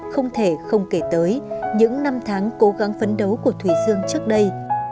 không thể không kể tới những năm tháng cố gắng phấn đấu của thủy dương trước đây